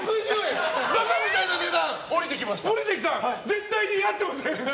絶対に合ってません！